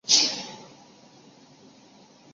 拉贾斯坦邦为印地语的通行范围。